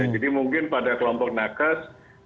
jadi mungkin pada kelompok nakes